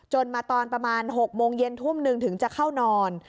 มาตอนประมาณ๖โมงเย็นทุ่มหนึ่งถึงจะเข้านอน